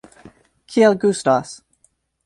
Kiel gustas?